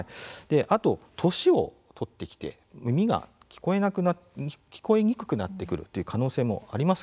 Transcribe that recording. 年を取ってきて耳が聞こえなくなる聞こえにくくなるという可能性もあります。